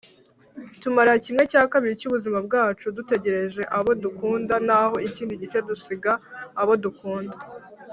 tumara kimwe cya kabiri cyubuzima bwacu dutegereje abo dukunda naho ikindi gice dusiga abo dukunda.